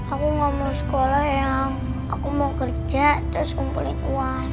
aku gak mau sekolah eyang aku mau kerja terus ngumpulin uang